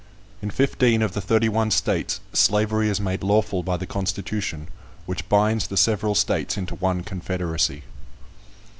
In fifteen of the thirty one States, Slavery is made lawful by the Constitution, which binds the several States into one confederacy.